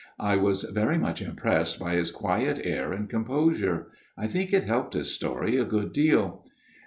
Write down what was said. I was very much impressed by his quiet air and composure. I think it helped his story a good deal.